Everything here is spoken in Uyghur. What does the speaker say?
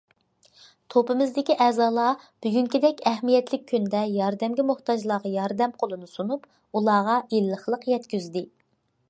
توپىمىزدىكى ئەزالار بۈگۈنكىدەك ئەھمىيەتلىك كۈندە ياردەمگە موھتاجلارغا ياردەم قولىنى سۇنۇپ، ئۇلارغا ئىللىقلىق يەتكۈزدى.